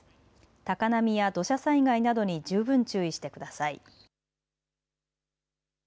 高波や土砂災害などに十分注意してください。